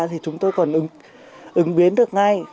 thì chúng tôi còn ứng biến được ngay